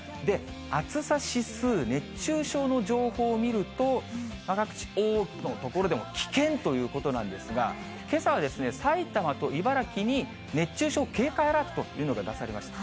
暑さ指数、熱中症の情報を見ると、各地、多くの所で危険ということなんですが、けさは埼玉と茨城に、熱中症警戒アラートというのが出されました。